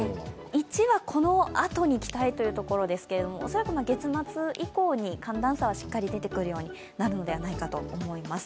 １はこのあとに期待ということですけど、恐らく月末以降に寒暖差はしっかり出てくるようになるのではないかと思います。